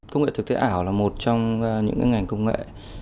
công nghệ thực tế ảo là một trong những ngành công nghệ